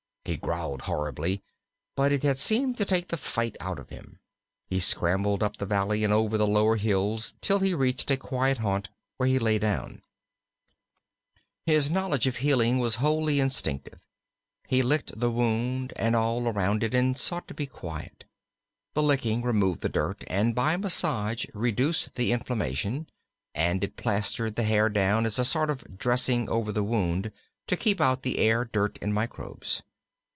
He growled horribly, but it had seemed to take the fight out of him; he scrambled up the valley and over the lower hills till he reached a quiet haunt, where he lay down. His knowledge of healing was wholly instinctive. He licked the wound and all around it, and sought to be quiet. The licking removed the dirt, and by massage reduced the inflammation, and it plastered the hair down as a sort of dressing over the wound to keep out the air, dirt, and microbes.